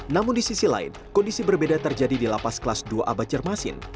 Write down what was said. namun di sisi lain kondisi berbeda terjadi di lapas kelas dua a b cermasin